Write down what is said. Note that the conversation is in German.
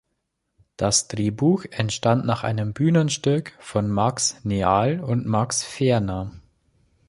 Das Drehbuch entstand nach einem Bühnenstück von Max Neal und Max Ferner.